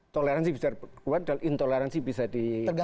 toleransi bisa kuat dan intoleransi bisa di